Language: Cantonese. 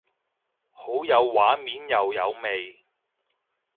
好有畫面又有味